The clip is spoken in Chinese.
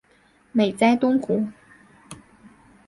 美哉东湖！